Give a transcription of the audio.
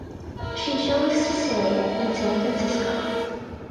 She chose to stay in San Francisco.